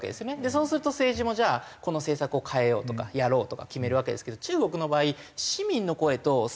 そうすると政治もじゃあこの政策を変えようとかやろうとか決めるわけですけど。